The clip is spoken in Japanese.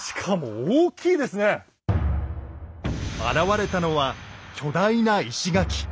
現れたのは巨大な石垣。